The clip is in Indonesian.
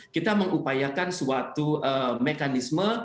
kita mengupayakan suatu mekanisme